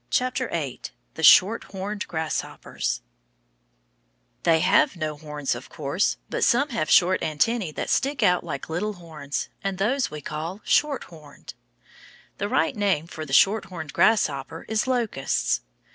THE SHORTHORNED GRASSHOPPERS They have no horns, of course, but some have short antennæ that stick out like little horns, and those we call shorthorned. The right name for the shorthorned grasshoppers is locusts.